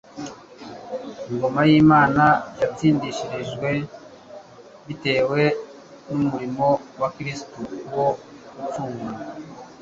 Ingoma y'Imana yatsindishirijwe bitewe n'umurimo wa Kristo wo gucungura.